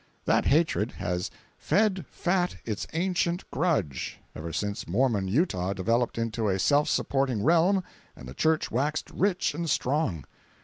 That hatred has "fed fat its ancient grudge" ever since Mormon Utah developed into a self supporting realm and the church waxed rich and strong.